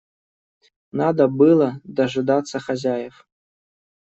Надо было дожидаться хозяев.